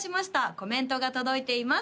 コメントが届いています